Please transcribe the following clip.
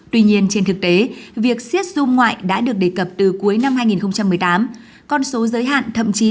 tuy nhiên trên thực tế việc siết zoom ngoại đã được đề cập từ cuối năm hai nghìn một mươi tám